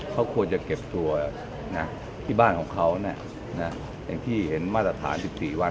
เขาควรจะเก็บตัวที่บ้านของเขาอย่างที่เห็นมาตรฐาน๑๔วัน